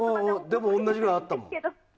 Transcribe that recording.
でも同じくらいあったもん。